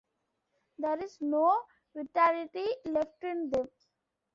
There is no vitality left in them.